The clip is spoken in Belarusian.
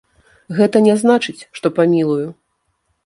Гэта не значыць, што памілую.